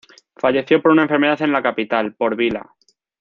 Falleció por una enfermedad en la capital, Port Vila.